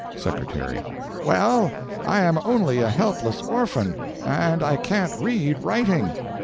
Secretary—"Well, I am only a helpless orphan, and I can't read writing."